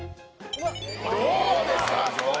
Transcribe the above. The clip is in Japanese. どうですか！